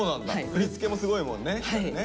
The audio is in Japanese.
振り付けもすごいもんね照ね。